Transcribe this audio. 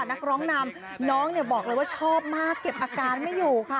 นักร้องนำน้องเนี่ยบอกเลยว่าชอบมากเก็บอาการไม่อยู่ค่ะ